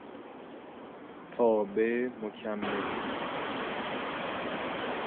تابع مکمل